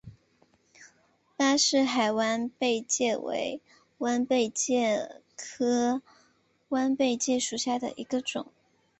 巴士海弯贝介为弯贝介科弯贝介属下的一个种。